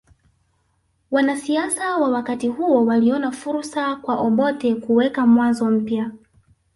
Wanasiasa wa wakati huo waliona fursa kwa Obote kuweka mwanzo mpya